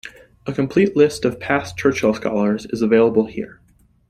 A complete list of past Churchill Scholars is available here.